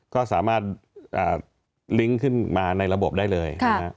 ก็สามารถลิงก์ขึ้นมาในระบบได้เลย